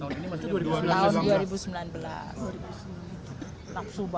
tahun ini maksudnya dua ribu sembilan belas